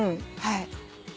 はい。